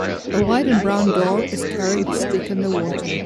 A white and brown dog is carrying a stick in the water.